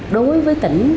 đối với tỉnh